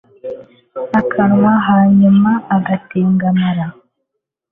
akanywa hanyuma agatengamara